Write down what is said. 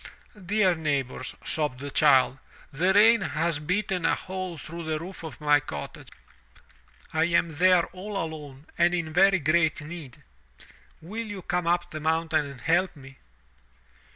"Dear neighbors," sobbed the child, "the rain has beaten a hole through the roof of my cottage. I am there all alone and in 243 MY BOOK HOUSE very great need. Will you come up the mountain and help me?"